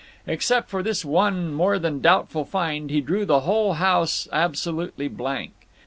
Except for this one more than doubtful find, he drew the whole house absolutely blank.